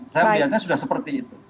saya melihatnya sudah seperti itu